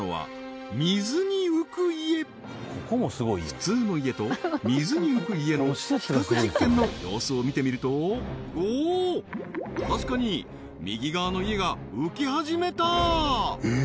普通の家と水に浮く家の比較実験の様子を見てみるとおお確かに右側の家が浮き始めた！